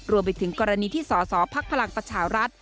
รวมไปถึงกรณีที่สสพลังประชารัฐ